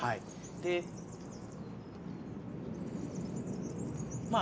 でまあ